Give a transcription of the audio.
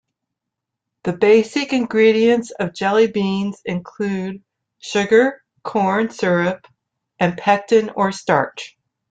The basic ingredients of jelly beans include sugar, corn syrup, and pectin or starch.